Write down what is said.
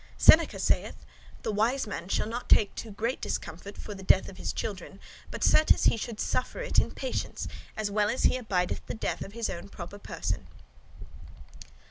Seneca saith, 'The wise man shall not take too great discomfort for the death of his children, but certes he should suffer it in patience, as well as he abideth the death of his own proper person.